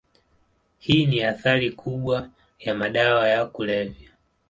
Hii ni athari kubwa ya madawa ya kulevya.